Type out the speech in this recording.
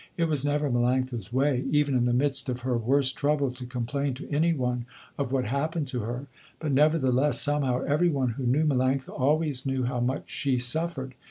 It was never Melanctha's way, even in the midst of her worst trouble to complain to any one of what happened to her, but nevertheless somehow every one who knew Melanctha always knew how much she suffered.